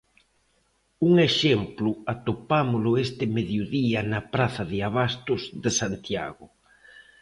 Un exemplo atopámolo este mediodía na praza de abastos de Santiago.